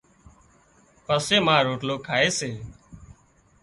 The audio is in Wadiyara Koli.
پسي ما روٽلو کائي سي